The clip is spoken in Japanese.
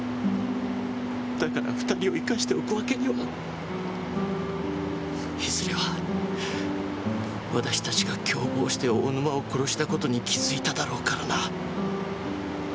だから２人を生かしておくわけには。いずれは私たちが共謀して大沼を殺した事に気づいただろうからな。